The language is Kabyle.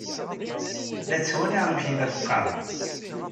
La ttwaliɣ amek i la teqqaṛem.